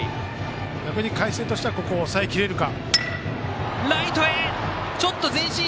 逆に海星としては抑えきれるか。